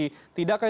tidakkah itu berarti